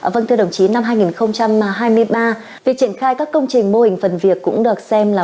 vâng thưa đồng chí năm hai nghìn hai mươi ba việc triển khai các công trình mô hình phần việc cũng được xem là